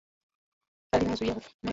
hali inayozua hofu